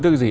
tức là gì